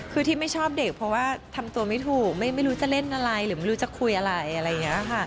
คือที่ไม่ชอบเด็กเพราะว่าทำตัวไม่ถูกไม่รู้จะเล่นอะไรหรือไม่รู้จะคุยอะไรอะไรอย่างนี้ค่ะ